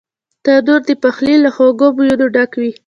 تنور د پخلي له خوږو بویونو ډک وي